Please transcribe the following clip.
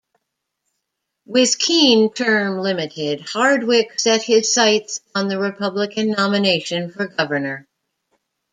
With Kean term-limited, Hardwick set his sights on the Republican nomination for Governor.